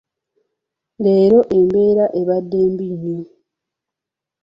Leero embeera abadde mbi nnyo.